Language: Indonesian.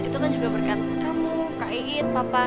itu kan juga berkat kamu kak iin papa